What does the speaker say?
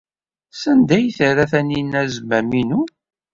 Sanda ay terra Taninna azmam-inu?